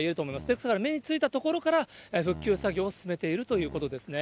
ですから、目についた所から復旧作業を進めているということですね。